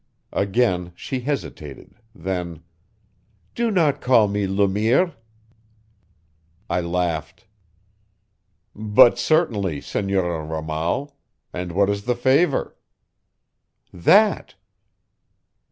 Again she hesitated; then: "Do not call me Le Mire." I laughed. "But certainly, Senora Ramal. And what is the favor?" "That."